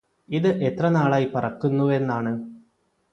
ഇത് എത്ര നാളായി പറക്കുന്നുവെന്നാണ്